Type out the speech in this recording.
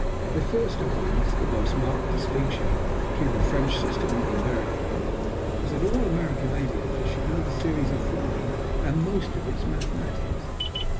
The first of these the most marked distinction between the French system and the American was that all American aviators should know the theories of flying and most of its mathematics.